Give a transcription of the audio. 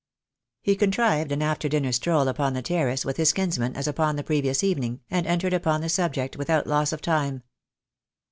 He contrived an after dinner stroll upon the terrace with his kinsman as upon the previous evening, and en tered upon the subject without loss of time.